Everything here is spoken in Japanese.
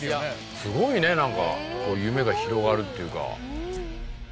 すごいねなんか夢が広がるっていうか。